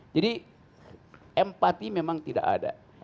jadi empati memang tidak ada